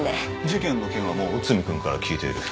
事件の件はもう内海君から聞いている。